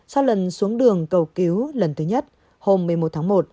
sau lần xuống đường cầu cứu lần thứ nhất hôm một mươi một tháng một